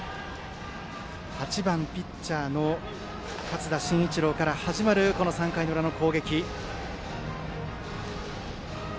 ８番ピッチャーの勝田新一朗から始まる３回裏の攻撃。